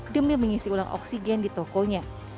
demi mengisi ulang oksigen di tokonya